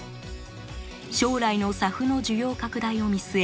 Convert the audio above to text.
将来のＳＡＦの需要拡大を見据え